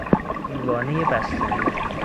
دیوانهی بستنی